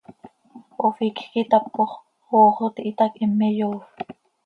Oficj quih itapox, ox oo tihitac, heme yoofp.